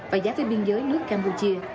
và giá phía biên giới nước campuchia